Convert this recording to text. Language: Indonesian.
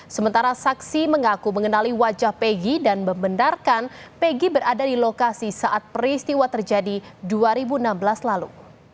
sementara saksi mengaku mengenali wajah pegi dan membenarkan peggy berada di lokasi saat peristiwa terjadi dua ribu enam belas lalu